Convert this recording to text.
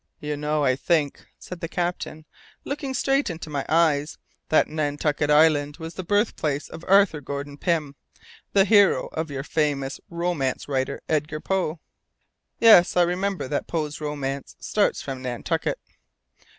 "You know, I think," said the captain, looking straight into my eyes, "that Nantucket Island was the birthplace of Arthur Gordon Pym, the hero of your famous romance writer Edgar Poe." "Yes. I remember that Poe's romance starts from Nantucket."